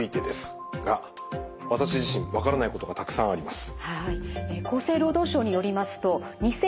が私自身分からないことがたくさんあります。